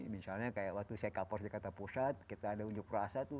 misalnya kayak waktu saya kapolres jakarta pusat kita ada unjuk rasa tuh